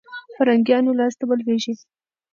فرنګیانو لاسته ولوېږي.